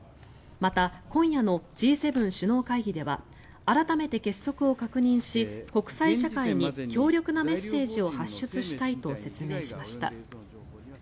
また、今夜のＧ７首脳会議では改めて結束を確認し国際社会に強力なメッセージを発出したいと説明しました。